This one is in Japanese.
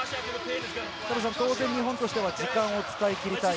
当然、日本としては時間を使い切りたい。